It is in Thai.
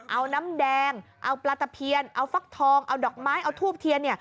เอาน้ำแดงเอาปลาตะเพียนเอาฟักทองเอาดอกไม้เอาทูบเทียน